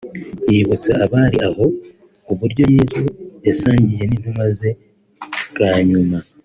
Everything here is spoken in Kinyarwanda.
yibutsa abari aho uburyo Yezu yasangiye n’intumwa ze bwa nyuma